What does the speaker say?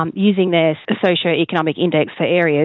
menggunakan indeks sosioekonomik mereka untuk area